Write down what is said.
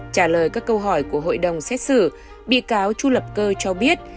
trả lời các câu hỏi của hội đồng xét xử bị cáo chu lập cơ cho biết